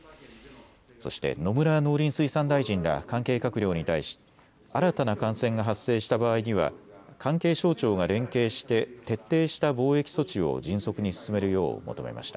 そして野村農林水産大臣ら関係閣僚に対し新たな感染が発生した場合には関係省庁が連携して徹底した防疫措置を迅速に進めるよう求めました。